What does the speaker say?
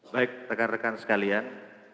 baik rekan rekan sekalian